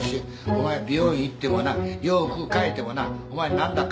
お前美容院行ってもな洋服替えてもなお前何ら変わらへんて。